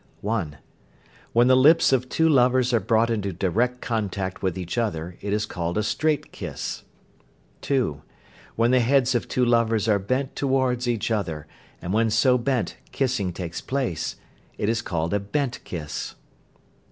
(1). When the lips of two lovers are brought into direct contact with each other, it is called a "straight kiss." (2). When the heads of two lovers are bent towards each other, and when so bent kissing takes place, it is called a "bent kiss."